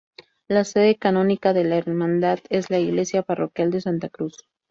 La sede canónica de la hermandad es la iglesia parroquial de Santa Cruz.